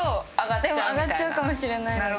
でも上がっちゃうかもしれないので。